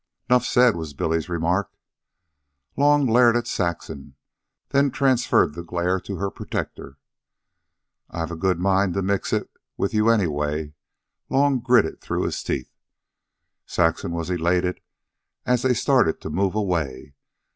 "Nuff said," was Billy's remark. Long glared at Saxon, then transferred the glare to her protector. "I've a good mind to mix it with you anyway," Long gritted through his teeth. Saxon was elated as they started to move away.